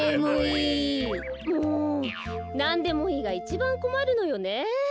もう「なんでもいい」がいちばんこまるのよね。